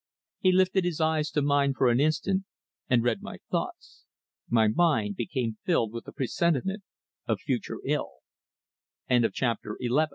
He lifted his eyes to mine for an instant and read my thoughts. My mind became filled with a presentiment of future ill. CHAPTER TWELVE.